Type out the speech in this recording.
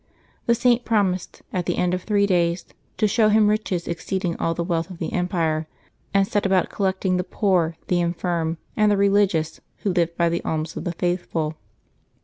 The Saint promised, at the end of three days, to show him riches exceeding all the wealth of the empire, and set about collecting the poor, the infirm, and the religious who lived by the alms of the faithful.